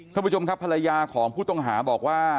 ท่านผู้ชมครับภรรยาของผู้ต้องหาบอกว่า